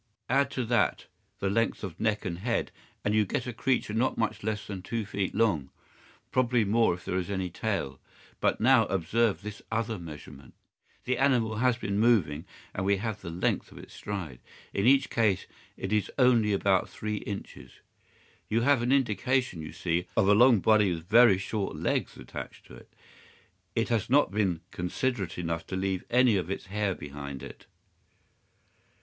Add to that the length of neck and head, and you get a creature not much less than two feet long—probably more if there is any tail. But now observe this other measurement. The animal has been moving, and we have the length of its stride. In each case it is only about three inches. You have an indication, you see, of a long body with very short legs attached to it. It has not been considerate enough to leave any of its hair behind it.